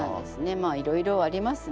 まあいろいろありますね。